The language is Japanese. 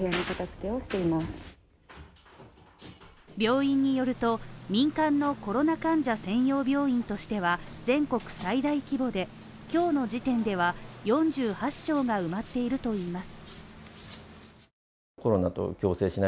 病院によると民間のコロナ患者専用病院としては全国最大規模で、今日の時点では４８床が埋まっているといいます。